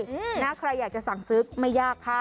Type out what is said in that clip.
นะใครอยากจะสั่งซื้อไม่ยากค่ะ